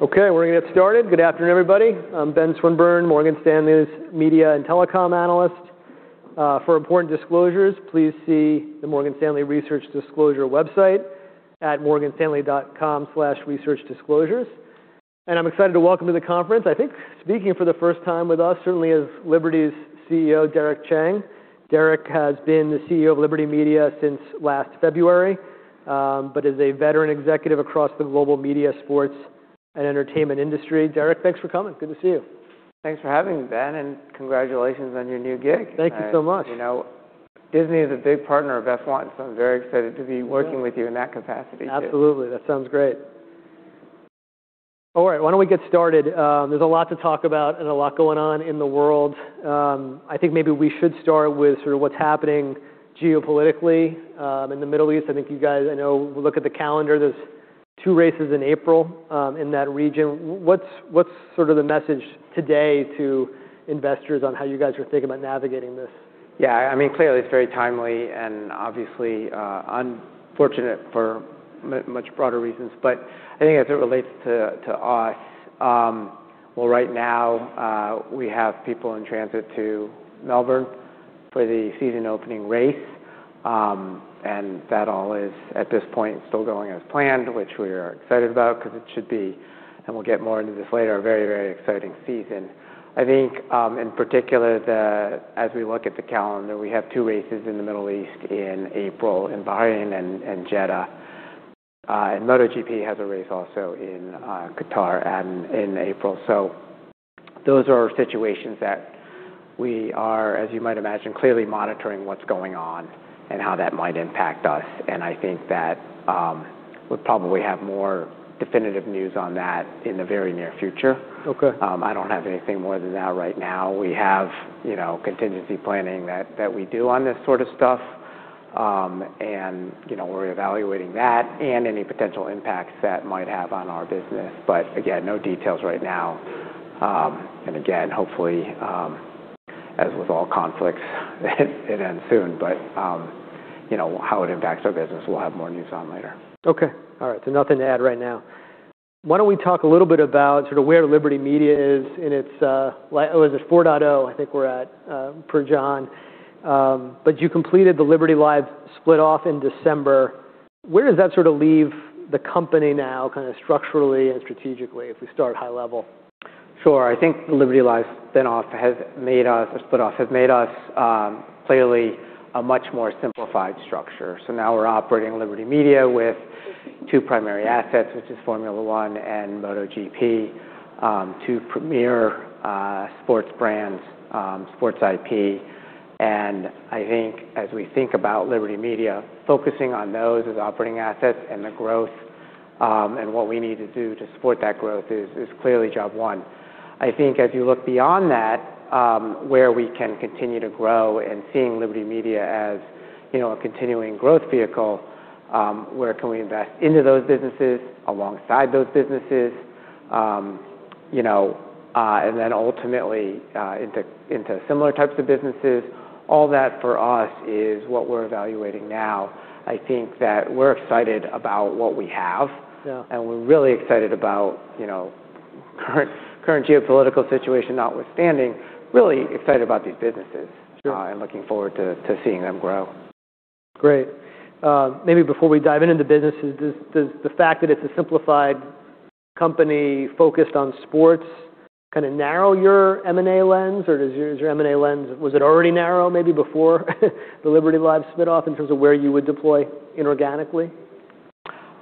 Okay, we're gonna get started. Good afternoon, everybody. I'm Ben Swinburne, Morgan Stanley's Media and Telecom Analyst. For important disclosures, please see the Morgan Stanley Research Disclosure website at morganstanley.com/researchdisclosures. I'm excited to welcome to the conference, I think speaking for the first time with us, certainly, is Liberty's CEO, Greg Maffei. Greg has been the CEO of Liberty Media since last February, but is a veteran executive across the global media, sports, and entertainment industry. Greg, thanks for coming. Good to see you. Thanks for having me, Ben, and congratulations on your new gig. Thank you so much. You know, Disney is a big partner of F1's, so I'm very excited to be working. Yeah. With you in that capacity too Absolutely. That sounds great. All right, why don't we get started? There's a lot to talk about and a lot going on in the world. I think maybe we should start with sort of what's happening geopolitically in the Middle East. I think you guys. I know we look at the calendar, there's two races in April in that region. What's sort of the message today to investors on how you guys are thinking about navigating this? Yeah, I mean, clearly it's very timely, and obviously, unfortunate for much broader reasons. I think as it relates to us, well, right now, we have people in transit to Melbourne for the season opening race. That all is, at this point, still going as planned, which we are excited about because it should be, and we'll get more into this later, a very, very exciting season. I think, in particular that as we look at the calendar, we have two races in the Middle East in April, in Bahrain and Jeddah. MotoGP has a race also in Qatar and in April. Those are situations that we are, as you might imagine, clearly monitoring what's going on and how that might impact us. I think that, we'll probably have more definitive news on that in the very near future. Okay. I don't have anything more than that right now. We have, you know, contingency planning that we do on this sort of stuff. You know, we're evaluating that and any potential impacts that might have on our business. Again, no details right now. Again, hopefully, as with all conflicts it ends soon. You know, how it impacts our business, we'll have more news on later. Okay. All right. Nothing to add right now. Why don't we talk a little bit about sort of where Liberty Media is in its what is it, 4.0, I think we're at, per John. You completed the Liberty Live split off in December. Where does that sort of leave the company now, kind of structurally and strategically, if we start high level? Sure. I think the Liberty Live spin off has made us or split off has made us clearly a much more simplified structure. Now we're operating Liberty Media with two primary assets, which is Formula One and MotoGP, two premier sports brands, sports IP. I think as we think about Liberty Media, focusing on those as operating assets and the growth, and what we need to do to support that growth is clearly job one. I think as you look beyond that, where we can continue to grow and seeing Liberty Media as, you know, a continuing growth vehicle, where can we invest into those businesses, alongside those businesses, you know, and then ultimately into similar types of businesses, all that for us is what we're evaluating now. I think that we're excited about what we have. Yeah. We're really excited about, you know, current geopolitical situation notwithstanding, really excited about these businesses. Sure. I'm looking forward to seeing them grow. Great. maybe before we dive into businesses, does the fact that it's a simplified company focused on sports kinda narrow your M&A lens, or Is your M&A lens, was it already narrow maybe before the Liberty Live split off in terms of where you would deploy inorganically?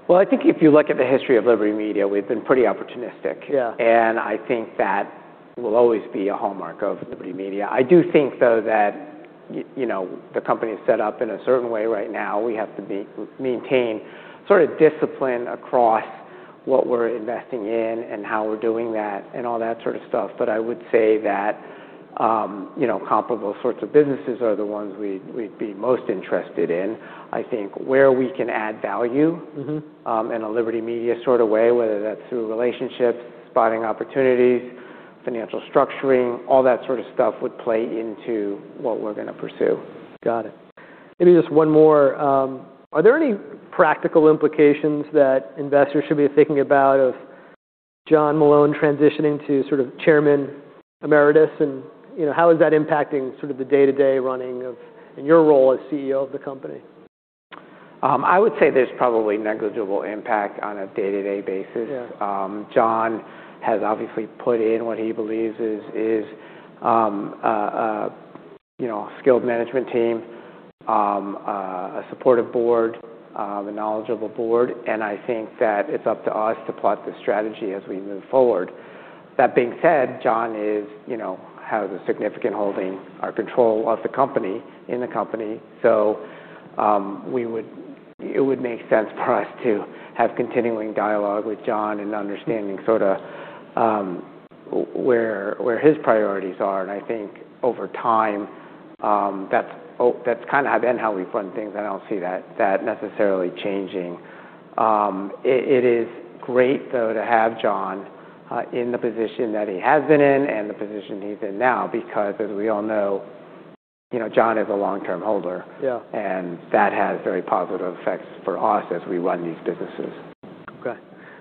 Well, I think if you look at the history of Liberty Media, we've been pretty opportunistic. Yeah. I think that will always be a hallmark of Liberty Media. I do think, though, that, you know, the company is set up in a certain way right now. We have to maintain sort of discipline across what we're investing in and how we're doing that and all that sort of stuff. I would say that, you know, comparable sorts of businesses are the ones we'd be most interested in. I think where we can add value- Mm-hmm. In a Liberty Media sort of way, whether that's through relationships, spotting opportunities, financial structuring, all that sort of stuff would play into what we're gonna pursue. Got it. Maybe just one more. Are there any practical implications that investors should be thinking about of John Malone transitioning to sort of chairman emeritus? you know, how is that impacting sort of the day-to-day running of... in your role as CEO of the company? I would say there's probably negligible impact on a day-to-day basis. Yeah. John has obviously put in what he believes is, you know, skilled management team, a supportive board, a knowledgeable board. I think that it's up to us to plot the strategy as we move forward. That being said, John is, you know, has a significant holding or control of the company, in the company. It would make sense for us to have continuing dialogue with John and understanding sorta, where his priorities are. I think over time, that's kinda been how we've run things, and I don't see that necessarily changing. It, it is great, though, to have John, in the position that he has been in and the position he's in now, because as we all know. You know, John is a long-term holder. Yeah. That has very positive effects for us as we run these businesses. Okay.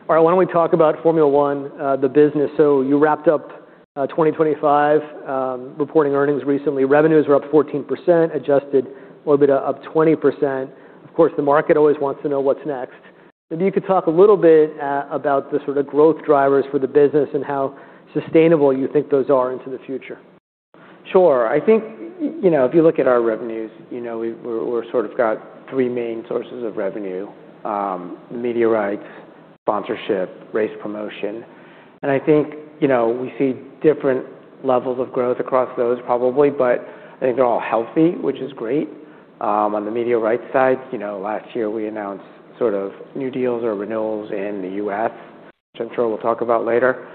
All right. Why don't we talk about Formula One, the business? You wrapped up, 2025, reporting earnings recently. Revenues were up 14%, adjusted OIBDA up 20%. Of course, the market always wants to know what's next. Maybe you could talk a little bit, about the sort of growth drivers for the business and how sustainable you think those are into the future. Sure. I think, you know, if you look at our revenues, you know, we're sort of got three main sources of revenue, media rights, sponsorship, race promotion, I think, you know, we see different levels of growth across those probably, but I think they're all healthy, which is great. On the media rights side, you know, last year we announced sort of new deals or renewals in the U.S., which I'm sure we'll talk about later.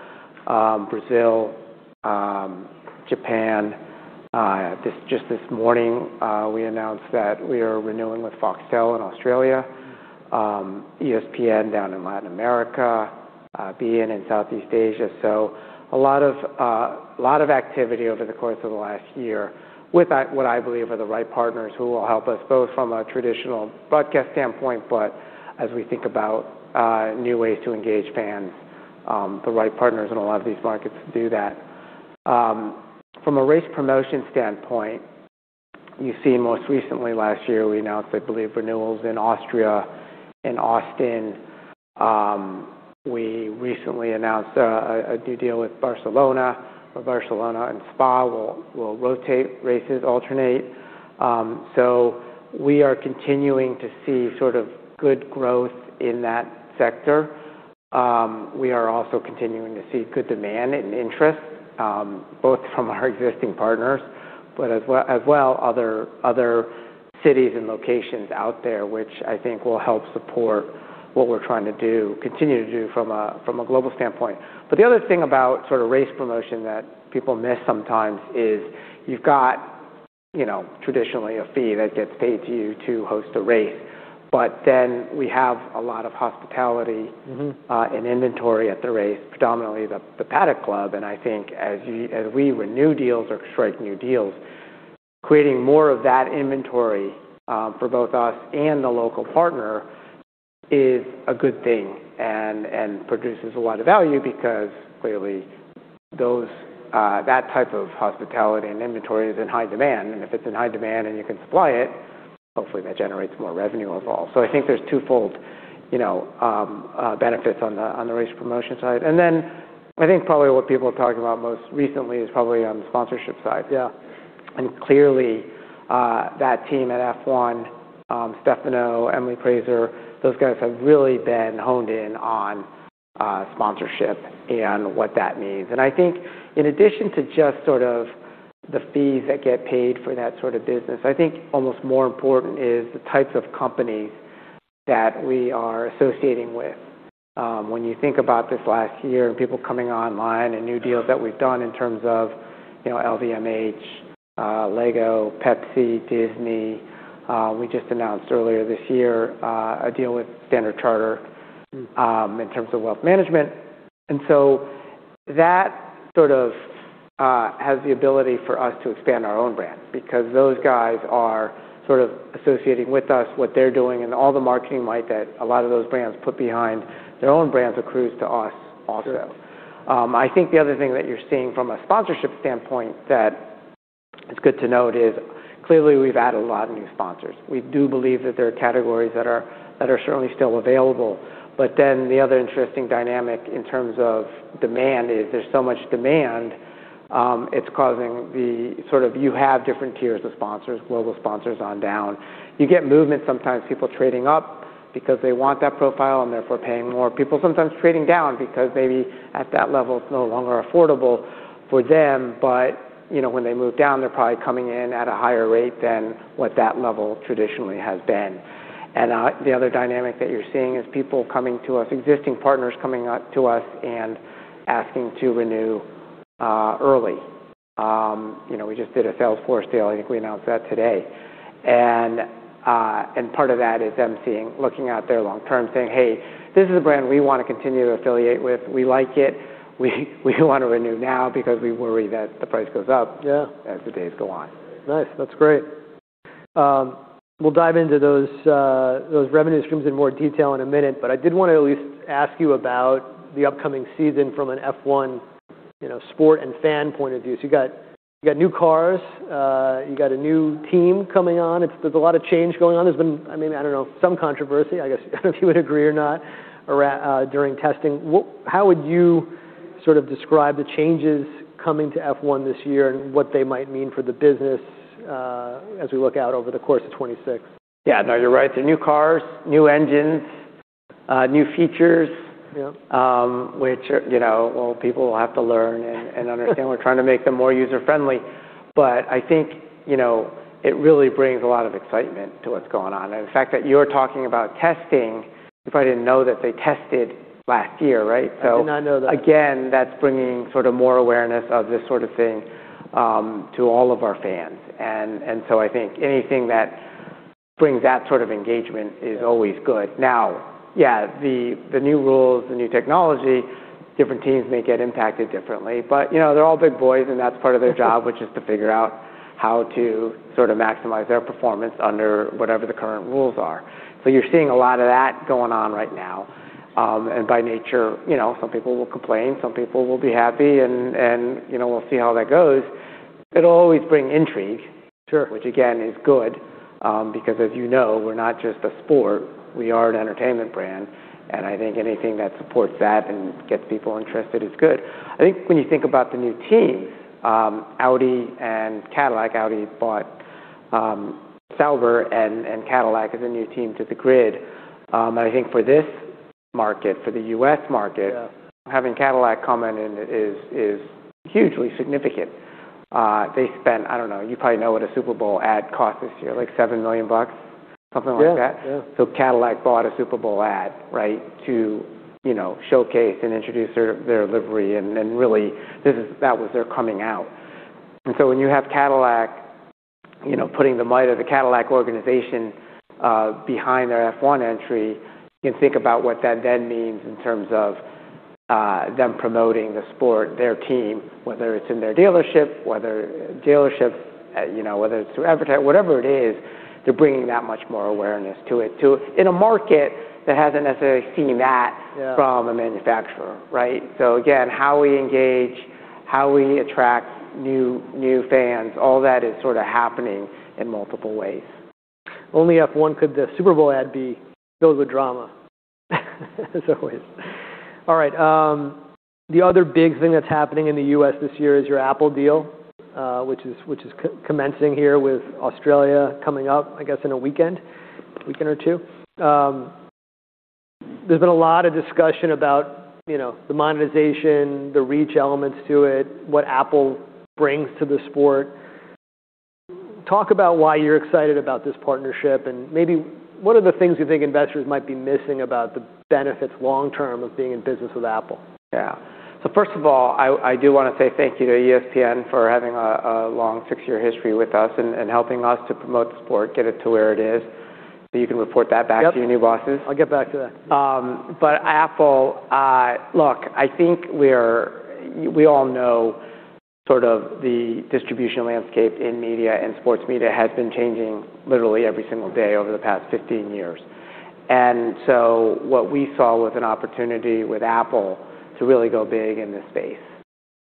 Brazil. Japan. Just this morning, we announced that we are renewing with Foxtel in Australia, ESPN down in Latin America, beIN in Southeast Asia. A lot of activity over the course of the last year with what I believe are the right partners who will help us both from a traditional broadcast standpoint, but as we think about new ways to engage fans, the right partners in a lot of these markets do that. From a race promotion standpoint, you've seen most recently last year, we announced, I believe, renewals in Austria and Austin. We recently announced a new deal with Barcelona, where Barcelona and Spa will rotate races, alternate. We are continuing to see sort of good growth in that sector. We are also continuing to see good demand and interest, both from our existing partners, as well, other cities and locations out there, which I think will help support what we're trying to do continue to do from a global standpoint. The other thing about sort of race promotion that people miss sometimes is you've got, you know, traditionally a fee that gets paid to you to host a race. We have a lot of hospitality. Mm-hmm. Inventory at the race, predominantly the Paddock Club. I think as we renew deals or strike new deals, creating more of that inventory for both us and the local partner is a good thing and produces a lot of value because clearly that type of hospitality and inventory is in high demand. If it's in high demand and you can supply it, hopefully that generates more revenue overall. I think there's twofold, you know, benefits on the race promotion side. I think probably what people are talking about most recently is probably on the sponsorship side. Yeah. Clearly, that team at F1, Stefano, Emily Prazer, those guys have really been honed in on sponsorship and what that means. I think in addition to just sort of the fees that get paid for that sort of business, I think almost more important is the types of companies that we are associating with. When you think about this last year and people coming online and new deals that we've done in terms of, you know, LVMH, Lego, Pepsi, Disney, we just announced earlier this year, a deal with Standard Chartered. Mm. in terms of wealth management. That sort of, has the ability for us to expand our own brand because those guys are sort of associating with us what they're doing, and all the marketing might that a lot of those brands put behind their own brands accrues to us also. Sure. I think the other thing that you're seeing from a sponsorship standpoint that it's good to note is clearly we've added a lot of new sponsors. We do believe that there are categories that are certainly still available. The other interesting dynamic in terms of demand is there's so much demand, it's causing the sort of you have different tiers of sponsors, global sponsors on down. You get movement, sometimes people trading up because they want that profile and therefore paying more. People sometimes trading down because maybe at that level it's no longer affordable for them. You know, when they move down, they're probably coming in at a higher rate than what that level traditionally has been. The other dynamic that you're seeing is people coming to us, existing partners coming out to us and asking to renew early. You know, we just did a Salesforce deal. I think we announced that today. Part of that is them looking out their long term saying, "Hey, this is a brand we wanna continue to affiliate with. We like it. We wanna renew now because we worry that the price goes up... Yeah. as the days go on. Nice. That's great. We'll dive into those revenue streams in more detail in a minute, but I did wanna at least ask you about the upcoming season from an F1, you know, sport and fan point of view. You got new cars, you got a new team coming on. There's a lot of change going on. There's been, I mean, I don't know, some controversy, I guess, if you would agree or not, around during testing. How would you sort of describe the changes coming to F1 this year and what they might mean for the business, as we look out over the course of 2060? Yeah. No, you're right. They're new cars, new engines, new features- Yep. which are, you know, well, people will have to learn and understand. We're trying to make them more user-friendly. I think, you know, it really brings a lot of excitement to what's going on. The fact that you're talking about testing, people didn't know that they tested last year, right? I did not know that. Again, that's bringing sort of more awareness of this sort of thing to all of our fans. I think anything that brings that sort of engagement is always good. Now, the new rules, the new technology, different teams may get impacted differently, but, you know, they're all big boys, and that's part of their job which is to figure out how to sort of maximize their performance under whatever the current rules are. You're seeing a lot of that going on right now. By nature, you know, some people will complain, some people will be happy, and, you know, we'll see how that goes. It'll always bring intrigue. Sure. Which again, is good, because as you know, we're not just a sport, we are an entertainment brand. I think anything that supports that and gets people interested is good. I think when you think about the new teams, Audi and Cadillac. Audi bought Sauber, and Cadillac is a new team to the grid. I think for this market, for the U.S. market. Yeah... having Cadillac coming in is hugely significant. They spent, I don't know, you probably know what a Super Bowl ad cost this year, like $7 million, something like that. Yeah. Yeah. Cadillac bought a Super Bowl ad, right, to, you know, showcase and introduce their livery and, really that was their coming out. When you have Cadillac, you know, putting the might of the Cadillac organization, behind their F1 entry, you can think about what that then means in terms of, them promoting the sport, their team, whether it's in their dealership, whether dealerships, you know, whether it's through advertising, whatever it is, they're bringing that much more awareness to it too, in a market that hasn't necessarily seen that. Yeah... from a manufacturer, right? Again, how we engage, how we attract new fans, all that is sort of happening in multiple ways. Only F1 could the Super Bowl ad be filled with drama as always. All right, the other big thing that's happening in the U.S. this year is your Apple deal, which is co-commencing here with Australia coming up, I guess, in a weekend or two. There's been a lot of discussion about, you know, the monetization, the reach elements to it, what Apple brings to the sport. Talk about why you're excited about this partnership and maybe what are the things you think investors might be missing about the benefits long term of being in business with Apple? Yeah. first of all, I do wanna say thank you to ESPN for having a long six-year history with us and helping us to promote the sport, get it to where it is, so you can report that back. Yep.... to your new bosses. I'll get back to that. But Apple, look, I think we all know sort of the distribution landscape in media, in sports media, has been changing literally every single day over the past 15 years. What we saw was an opportunity with Apple to really go big in this space.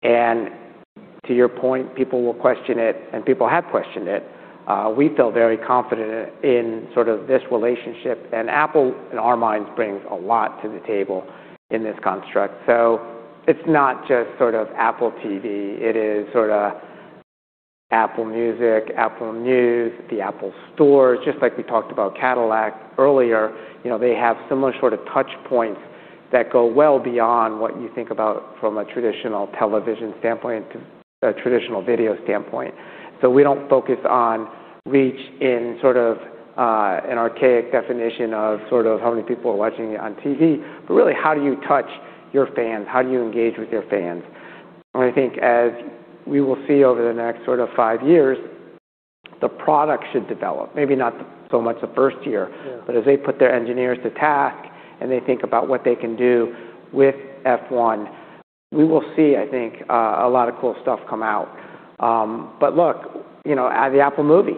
To your point, people will question it, and people have questioned it. We feel very confident in sort of this relationship. Apple, in our minds, brings a lot to the table in this construct. It's not just sort of Apple TV, it is sorta Apple Music, Apple News, the Apple Store. Just like we talked about Cadillac earlier, you know, they have similar sort of touch points that go well beyond what you think about from a traditional television standpoint to a traditional video standpoint. We don't focus on reach in sort of, an archaic definition of sort of how many people are watching it on TV, but really how do you touch your fans? How do you engage with your fans? I think as we will see over the next sort of five years, the product should develop. Maybe not so much the 1st year. Yeah. As they put their engineers to task and they think about what they can do with F1, we will see, I think, a lot of cool stuff come out. Look, you know, the Apple movie-.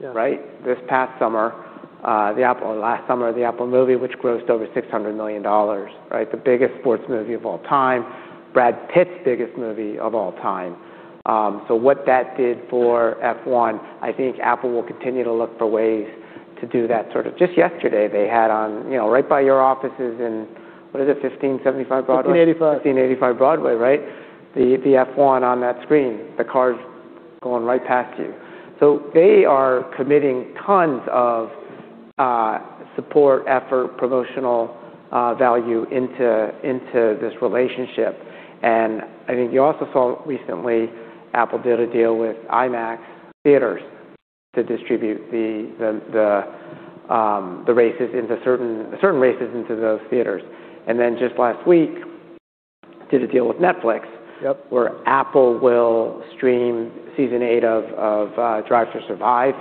Yeah... right? This past summer, or last summer, the Apple movie, which grossed over $600 million, right? The biggest sports movie of all time. Brad Pitt's biggest movie of all time. What that did for F1, I think Apple will continue to look for ways to do that sort of... Just yesterday, they had on, you know, right by your offices in, what is it, 1575 Broadway? 1585. 1585 Broadway, right? The F1 on that screen, the cars going right past you. They are committing tons of support, effort, promotional value into this relationship. I think you also saw recently Apple did a deal with IMAX theaters to distribute the races into certain races into those theaters. Just last week, did a deal with Netflix- Yep. where Apple will stream season eight of Drive to Survive.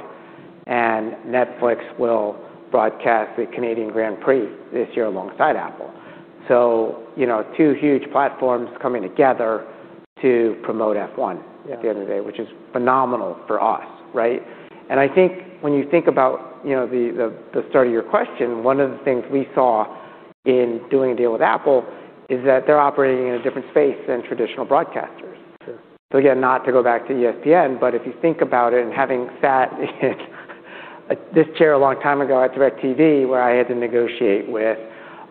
Netflix will broadcast the Canadian Grand Prix this year alongside Apple. You know, two huge platforms coming together to promote F1. Yeah... at the end of the day, which is phenomenal for us, right? I think when you think about, you know, the, the start of your question, one of the things we saw in doing a deal with Apple is that they're operating in a different space than traditional broadcasters. Sure. Again, not to go back to ESPN, but if you think about it and having sat in this chair a long time ago at DirecTV, where I had to negotiate with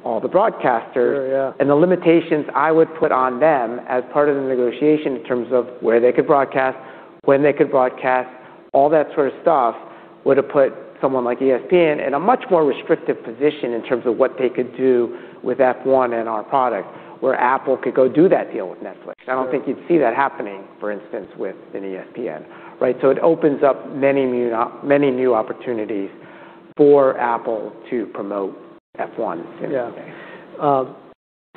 all the broadcasters. Sure. Yeah.... and the limitations I would put on them as part of the negotiation in terms of where they could broadcast, when they could broadcast, all that sort of stuff, would've put someone like ESPN in a much more restrictive position in terms of what they could do with F1 and our product, where Apple could go do that deal with Netflix. Sure. I don't think you'd see that happening, for instance, with an ESPN, right? It opens up many new opportunities for Apple to promote F1 at the end of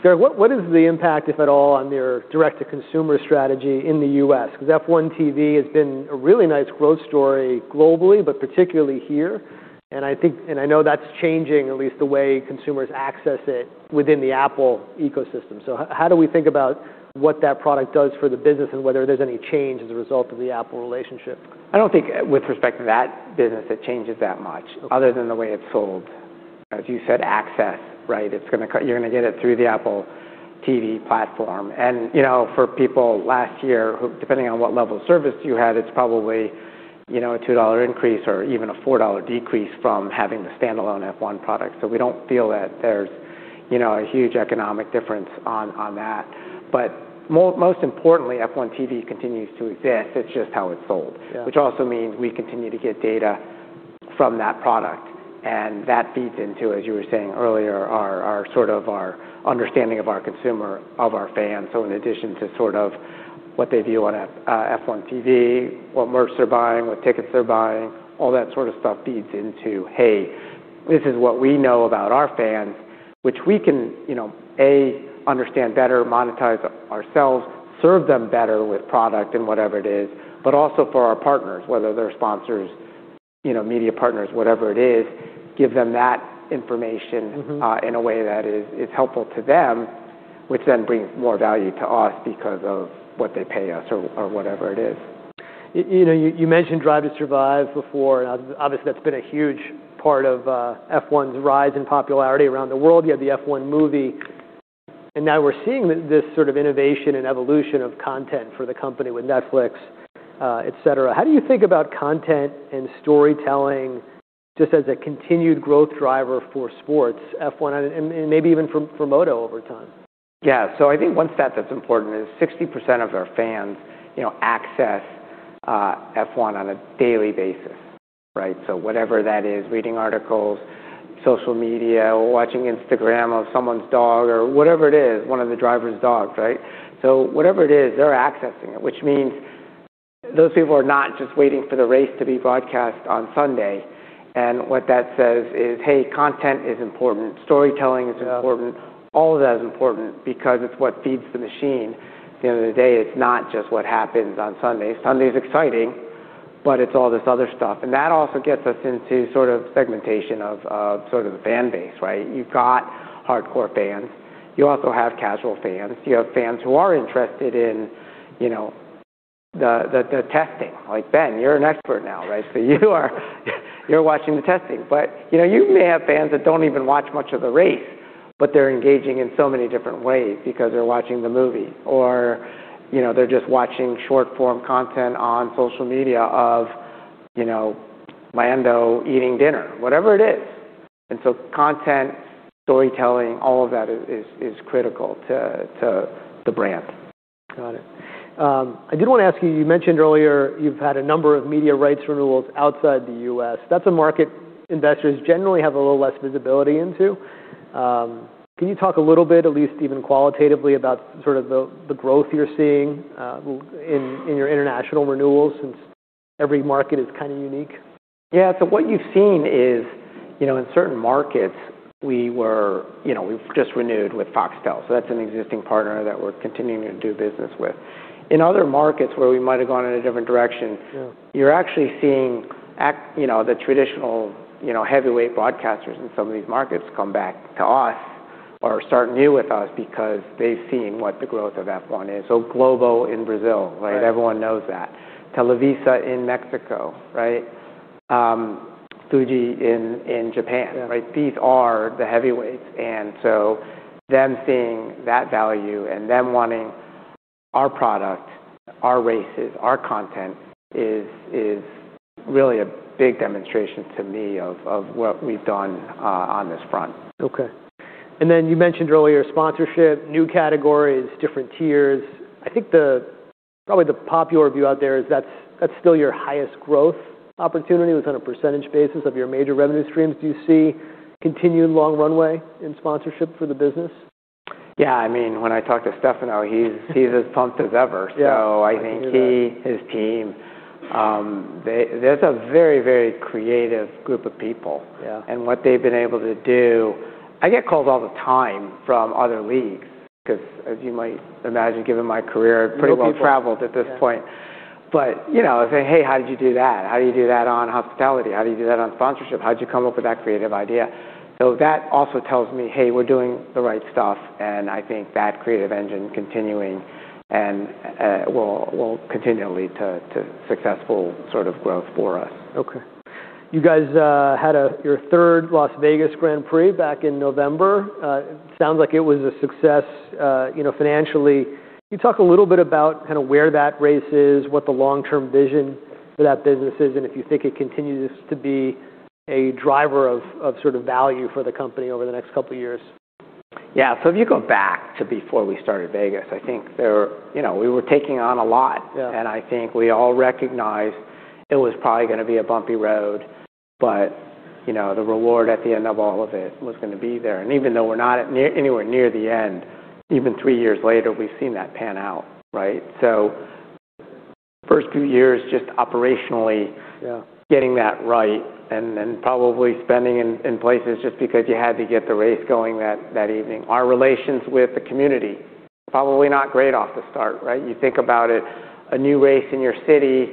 the day. What is the impact, if at all, on your direct-to-consumer strategy in the U.S.? F1 TV has been a really nice growth story globally, but particularly here. And I think... And I know that's changing at least the way consumers access it within the Apple ecosystem. How do we think about what that product does for the business and whether there's any change as a result of the Apple relationship? I don't think with respect to that business it changes that much other than the way it's sold. As you said, access, right? It's gonna you're gonna get it through the Apple TV platform. You know, for people last year, who depending on what level of service you had, it's probably, you know, a $2 increase or even a $4 decrease from having the standalone F1 product. We don't feel that there's, you know, a huge economic difference on that. Most importantly, F1 TV continues to exist. It's just how it's sold. Yeah. Also means we continue to get data from that product, and that feeds into, as you were saying earlier, our sort of our understanding of our consumer, of our fans. In addition to sort of what they view on F1 TV, what merch they're buying, what tickets they're buying, all that sort of stuff feeds into, "Hey, this is what we know about our fans," which we can, you know, A, understand better, monetize ourselves, serve them better with product and whatever it is. Also for our partners, whether they're sponsors, you know, media partners, whatever it is, give them that information. Mm-hmm... in a way that is helpful to them, which then brings more value to us because of what they pay us or whatever it is. You know, you mentioned Drive to Survive before. Obviously, that's been a huge part of F1's rise in popularity around the world. You had the F1 movie. Now we're seeing this sort of innovation and evolution of content for the company with Netflix, et cetera. How do you think about content and storytelling just as a continued growth driver for sports, F1 and maybe even for MotoGP over time? Yeah. I think one stat that's important is 60% of our fans, you know, access F1 on a daily basis, right? Whatever that is, reading articles, social media, or watching Instagram of someone's dog or whatever it is, one of the driver's dogs, right? Whatever it is, they're accessing it, which means those people are not just waiting for the race to be broadcast on Sunday. What that says is, "Hey, content is important. Storytelling is important. Yeah. All of that is important because it's what feeds the machine. At the end of the day, it's not just what happens on Sunday. Sunday is exciting, but it's all this other stuff. That also gets us into sort of segmentation of sort of the fan base, right? You've got hardcore fans. You also have casual fans. You have fans who are interested in, you know, the, the testing. Like Ben, you're an expert now, right? You're watching the testing. You know, you may have fans that don't even watch much of the race, but they're engaging in so many different ways because they're watching the movie or you know, they're just watching short-form content on social media of, you know, Lando eating dinner, whatever it is. Content, storytelling, all of that is critical to the brand. Got it. I did wanna ask you mentioned earlier you've had a number of media rights renewals outside the U.S. That's a market investors generally have a little less visibility into. Can you talk a little bit, at least even qualitatively, about sort of the growth you're seeing, in your international renewals since every market is kind of unique? Yeah. What you've seen is, you know, in certain markets. You know, we've just renewed with Foxtel, so that's an existing partner that we're continuing to do business with. In other markets where we might have gone in a different direction. Yeah... you're actually seeing you know, the traditional, you know, heavyweight broadcasters in some of these markets come back to us or start new with us because they've seen what the growth of F1 is. Globo in Brazil- Right like everyone knows that. Televisa in Mexico, right? Fuji in Japan. Yeah. Right? These are the heavyweights. Them seeing that value and them wanting our product, our races, our content is really a big demonstration to me of what we've done on this front. Okay. You mentioned earlier sponsorship, new categories, different tiers. I think the probably the popular view out there is that's still your highest growth opportunity was on a percentage basis of your major revenue streams. Do you see continued long runway in sponsorship for the business? Yeah. I mean, when I talk to Stefano, he's as pumped as ever. Yeah. So I think- I can hear that.... he, his team, that's a very, very creative group of people. Yeah. What they've been able to do. I get calls all the time from other leagues because as you might imagine, given my career- New people.... pretty well-traveled at this point. You know, say, "Hey, how did you do that? How do you do that on hospitality? How do you do that on sponsorship? How'd you come up with that creative idea?" That also tells me, hey, we're doing the right stuff, and I think that creative engine continuing and will continue to lead to successful sort of growth for us. Okay. You guys had your third Las Vegas Grand Prix back in November. Sounds like it was a success, you know, financially. Can you talk a little bit about kinda where that race is, what the long-term vision for that business is, and if you think it continues to be a driver of sort of value for the company over the next couple years? Yeah. If you go back to before we started Vegas, I think there were. You know, we were taking on a lot. Yeah. I think we all recognized it was probably gonna be a bumpy road, but, you know, the reward at the end of all of it was gonna be there. Even though we're not anywhere near the end, even three years later, we've seen that pan out, right? First few years just operationally. Yeah... getting that right and probably spending in places just because you had to get the race going that evening. Our relations with the community, probably not great off the start, right? You think about it, a new race in your city,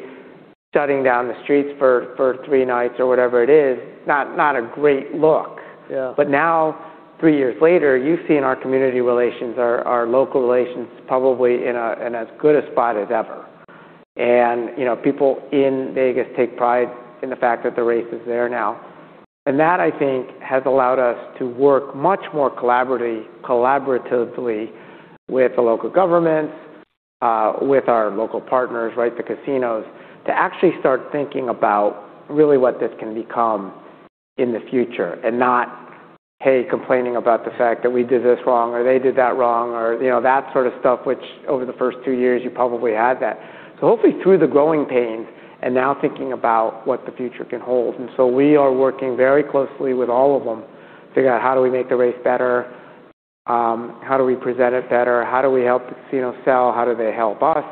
shutting down the streets for three nights or whatever it is, not a great look. Yeah. Now, three years later, you've seen our community relations, our local relations probably in as good a spot as ever. You know, people in Vegas take pride in the fact that the race is there now. That, I think, has allowed us to work much more collaboratively with the local governments, with our local partners, right, the casinos, to actually start thinking about really what this can become in the future and not, hey, complaining about the fact that we did this wrong or they did that wrong or, you know, that sort of stuff, which over the first two years you probably had that. Hopefully through the growing pains and now thinking about what the future can hold. We are working very closely with all of them to figure out how do we make the race better, how do we present it better, how do we help casinos sell, how do they help us,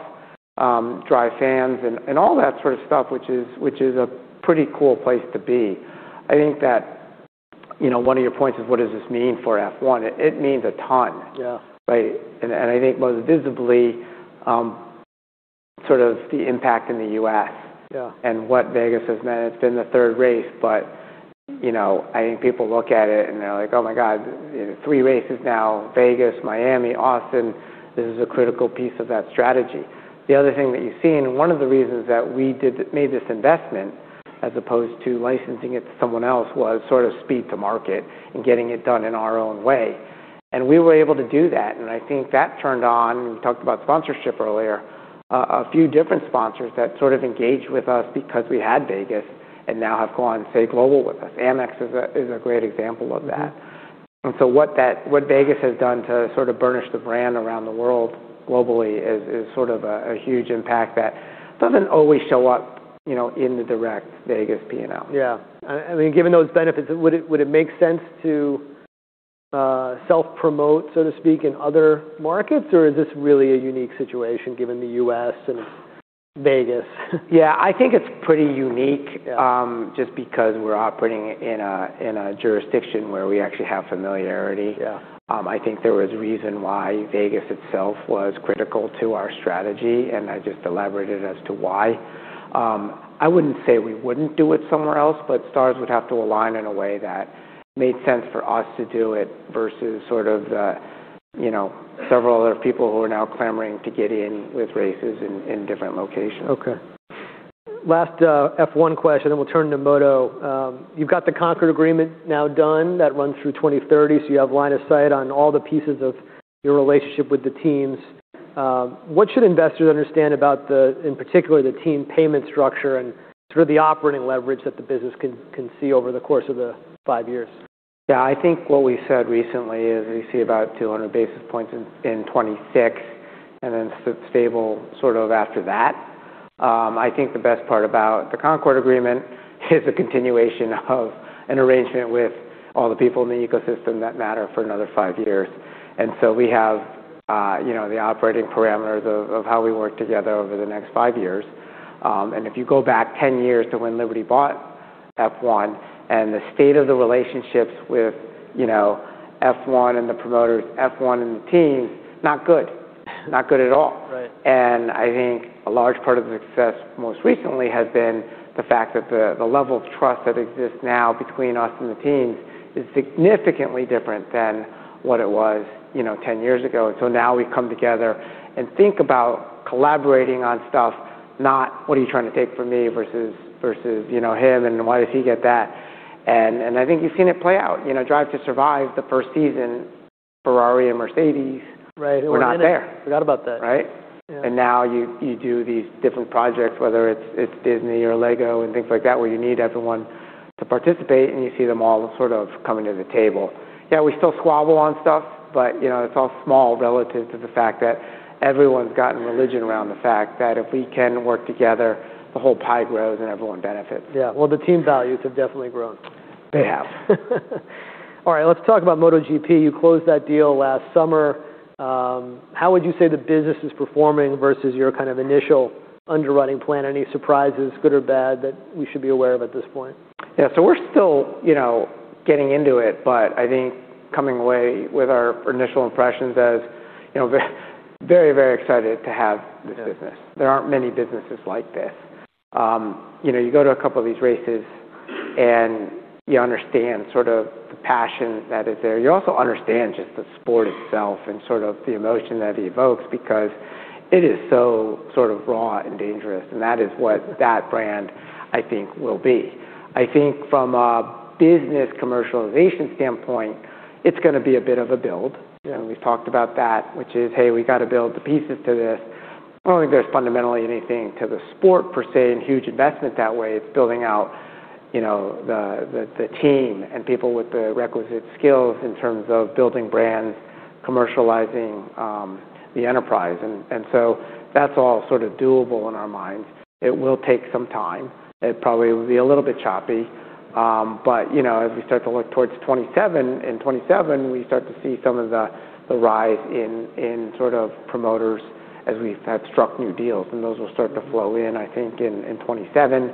drive fans, and all that sort of stuff, which is a pretty cool place to be. I think that, you know, one of your points is what does this mean for F1? It means a ton. Yeah. Right? I think most visibly, sort of the impact in the U.S. Yeah... and what Vegas has meant. It's been the third race, but, you know, I think people look at it and they're like, "Oh my God, you know, three races now, Vegas, Miami, Austin, this is a critical piece of that strategy." The other thing that you've seen, one of the reasons that we made this investment as opposed to licensing it to someone else was sort of speed to market and getting it done in our own way. We were able to do that, and I think that turned on, we talked about sponsorship earlier, a few different sponsors that sort of engaged with us because we had Vegas and now have gone, say, global with us. Amex is a, is a great example of that. What Vegas has done to sort of burnish the brand around the world globally is sort of a huge impact that doesn't always show up, you know, in the direct Vegas P&L. Yeah. I mean, given those benefits, would it make sense to self-promote, so to speak, in other markets? Is this really a unique situation given the U.S. and Vegas? Yeah. I think it's pretty unique. Yeah... just because we're operating in a jurisdiction where we actually have familiarity. Yeah. I think there was reason why Vegas itself was critical to our strategy, and I just elaborated as to why. I wouldn't say we wouldn't do it somewhere else, but stars would have to align in a way that made sense for us to do it versus sort of, you know, several other people who are now clamoring to get in with races in different locations. Okay. Last F1 question, and we'll turn to MotoGP. You've got the Concorde Agreement now done that runs through 2030, so you have line of sight on all the pieces of your relationship with the teams. What should investors understand about the, in particular, the team payment structure and sort of the operating leverage that the business can see over the course of the five years? Yeah, I think what we said recently is we see about 200 basis points in 2026 and then stable sort of after that. I think the best part about the Concorde Agreement is a continuation of an arrangement with all the people in the ecosystem that matter for another five years. We have, you know, the operating parameters of how we work together over the next five years. If you go back 10 years to when Liberty bought F1 and the state of the relationships with, you know, F1 and the promoters, F1 and the teams, not good. Not good at all. Right. I think a large part of the success most recently has been the fact that the level of trust that exists now between us and the teams is significantly different than what it was, you know, 10 years ago. Now we come together and think about collaborating on stuff, not what are you trying to take from me versus, you know, him and why does he get that. I think you've seen it play out. You know, Drive to Survive, the first season, Ferrari and Mercedes. Right. Who are not there.... were not there. Forgot about that. Right? Yeah. Now you do these different projects, whether it's Disney or Lego and things like that, where you need everyone to participate, and you see them all sort of coming to the table. Yeah, we still squabble on stuff, but, you know, it's all small relative to the fact that everyone's gotten religion around the fact that if we can work together, the whole pie grows and everyone benefits. Yeah. Well, the team values have definitely grown. They have. All right, let's talk about MotoGP. You closed that deal last summer. How would you say the business is performing versus your kind of initial underwriting plan? Any surprises, good or bad, that we should be aware of at this point? Yeah. We're still, you know, getting into it, but I think coming away with our initial impressions as, you know, very, very excited to have this business. Yeah. There aren't many businesses like this. you know, you go to a couple of these races and you understand sort of the passion that is there. You also understand just the sport itself and sort of the emotion that it evokes because it is so sort of raw and dangerous, and that is what that brand, I think, will be. I think from a business commercialization standpoint, it's gonna be a bit of a build. You know, we've talked about that, which is, hey, we gotta build the pieces to this. I don't think there's fundamentally anything to the sport per se and huge investment that way. It's building out, you know, the team and people with the requisite skills in terms of building brands, commercializing, the enterprise. That's all sort of doable in our minds. It will take some time. It probably will be a little bit choppy. You know, as we start to look towards 2027, in 2027 we start to see some of the rise in sort of promoters as we have struck new deals, and those will start to flow in, I think, in 2027.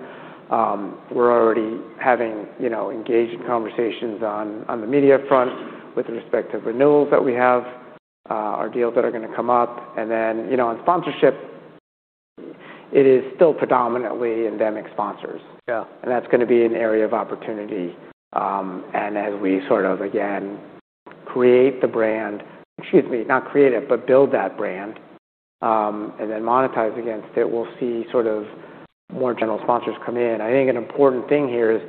We're already having, you know, engaged conversations on the media front with respect to renewals that we have, our deals that are gonna come up. Then, you know, on sponsorship, it is still predominantly endemic sponsors. Yeah. That's gonna be an area of opportunity. As we sort of, again, build that brand, and then monetize against it, we'll see sort of more general sponsors come in. I think an important thing here is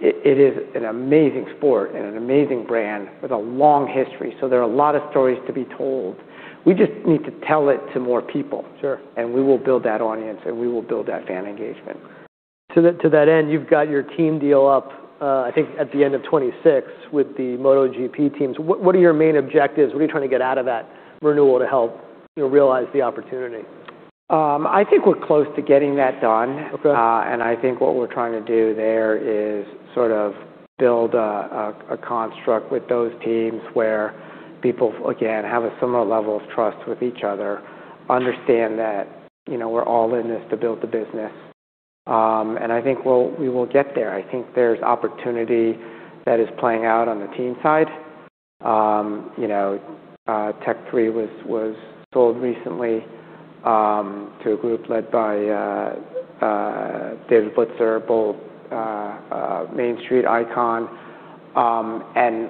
it is an amazing sport and an amazing brand with a long history. There are a lot of stories to be told. We just need to tell it to more people. Sure. We will build that audience, and we will build that fan engagement. To that end, you've got your team deal up, I think at the end of 2026 with the MotoGP teams. What are your main objectives? What are you trying to get out of that renewal to help, you know, realize the opportunity? I think we're close to getting that done. Okay. I think what we're trying to do there is sort of build a construct with those teams where people, again, have a similar level of trust with each other, understand that, you know, we're all in this to build the business. I think we will get there. I think there's opportunity that is playing out on the team side. you know, Tech3 was sold recently to a group led by David Blitzer, Main Street Advisors.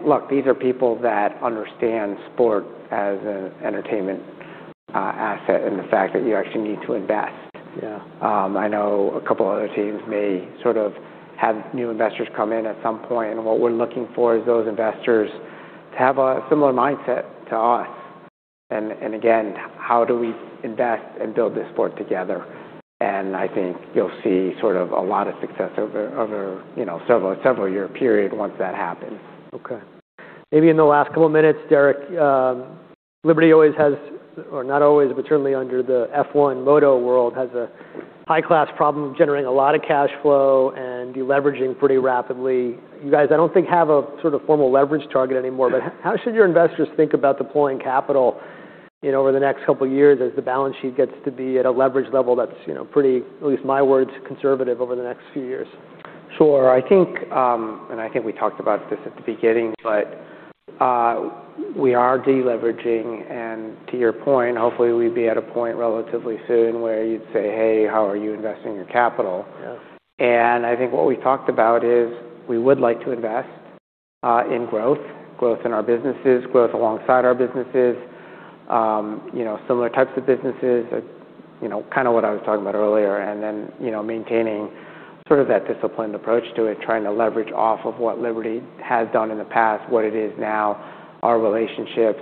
Look, these are people that understand sport as an entertainment asset and the fact that you actually need to invest. Yeah. I know a couple other teams may sort of have new investors come in at some point, and what we're looking for is those investors to have a similar mindset to us. Again, how do we invest and build this sport together? I think you'll see sort of a lot of success over, you know, several year period once that happens. Okay. Maybe in the last couple minutes, Greg, Liberty always has, or not always, but certainly under the F1 MotoGP world, has a high-class problem of generating a lot of cash flow and deleveraging pretty rapidly. You guys, I don't think have a sort of formal leverage target anymore. Yeah. How should your investors think about deploying capital, you know, over the next couple years as the balance sheet gets to be at a leverage level that's, you know, pretty, at least my words, conservative over the next few years? Sure. I think we talked about this at the beginning, but, we are deleveraging. To your point, hopefully we'd be at a point relatively soon where you'd say, "Hey, how are you investing your capital? Yes. I think what we talked about is we would like to invest in growth in our businesses, growth alongside our businesses, you know, similar types of businesses. You know, kinda what I was talking about earlier. Then, you know, maintaining sort of that disciplined approach to it, trying to leverage off of what Liberty has done in the past, what it is now, our relationships,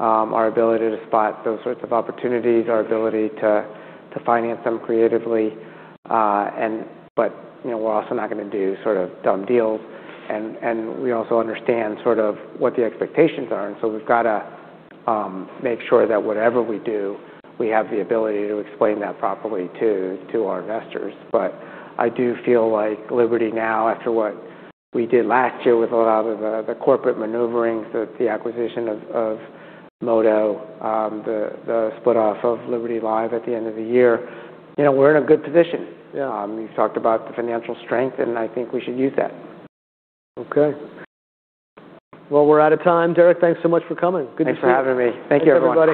our ability to spot those sorts of opportunities, our ability to finance them creatively. But you know, we're also not gonna do sort of dumb deals. We also understand sort of what the expectations are, so we've gotta make sure that whatever we do, we have the ability to explain that properly to our investors. I do feel like Liberty now, after what we did last year with a lot of the corporate maneuverings, the acquisition of MotoGP, the split off of Liberty Live at the end of the year, you know, we're in a good position. Yeah. You talked about the financial strength, and I think we should use that. Okay. Well, we're out of time. Greg, thanks so much for coming. Good to see you. Thanks for having me. Thank you, everyone.